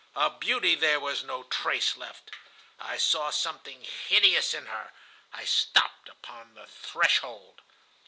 Of beauty there was no trace left. I saw something hideous in her. I stopped upon the threshold.